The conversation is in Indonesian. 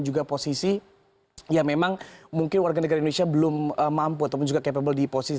juga posisi yang memang mungkin warga negara indonesia belum mampu ataupun juga capable di posisi